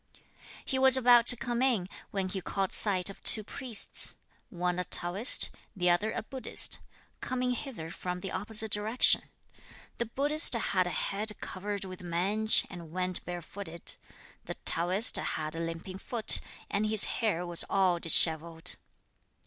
He was about to come in, when he caught sight of two priests, one a Taoist, the other a Buddhist, coming hither from the opposite direction. The Buddhist had a head covered with mange, and went barefooted. The Taoist had a limping foot, and his hair was all dishevelled.